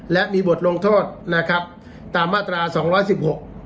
และมีบทลงโทษนะครับตามมาตราสองร้อยสิบหก